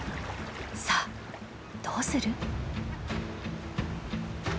さあどうする？